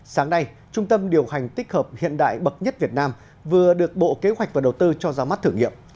sáng nay trung tâm điều hành tích hợp hiện đại bậc nhất việt nam vừa được bộ kế hoạch và đầu tư cho ra mắt thử nghiệm